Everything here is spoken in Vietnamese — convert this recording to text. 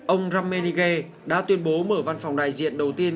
ông ramenige đã tuyên bố mở văn phòng đại diện đầu tiên